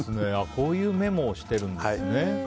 こういうメモをしているんですね。